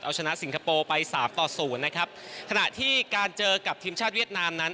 เอาชนะสิงคโปร์ไปสามต่อศูนย์นะครับขณะที่การเจอกับทีมชาติเวียดนามนั้น